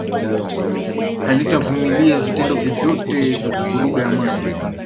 halitavumilia vitendo vyovyote vya kuvuruga amani